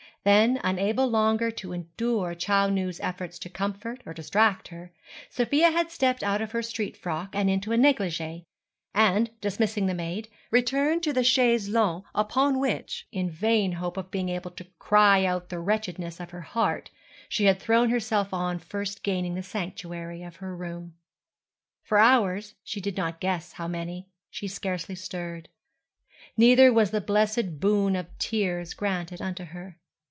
Then, unable longer to endure Chou Nu's efforts to comfort or distract her, Sofia had stepped out of her street frock and into a négligée and, dismissing the maid, returned to the chaise longue upon which, in vain hope of being able to cry out the wretchedness of her heart, she had thrown herself on first gaining the sanctuary of her room. For hours, she did not guess how many, she scarcely stirred. Neither was the blessed boon of tears granted unto her.